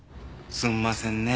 すんませんね